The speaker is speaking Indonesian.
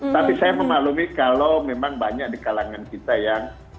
tapi saya memaklumi kalau memang banyak di kalangan kita yang